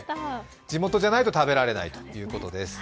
地元じゃないと食べられないということです。